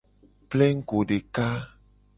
Plengugo deka.